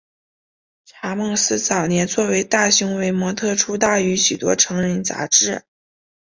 查姆斯早年作为大胸围模特出道于许多成人杂志。